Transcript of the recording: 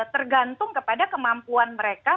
tergantung kepada kemampuan mereka